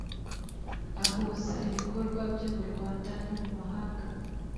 ahuza ibikorwa byo mu rwanda no mu mahanga